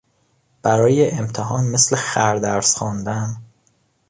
برای امتحان مثل خر درس خواندن